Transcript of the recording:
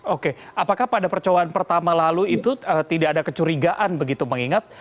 oke apakah pada percobaan pertama lalu itu tidak ada kecurigaan begitu mengingat